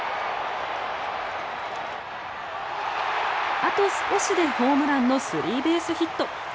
あと少しでホームランのスリーベースヒット。